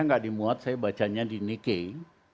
nggak dimuat saya bacanya di nike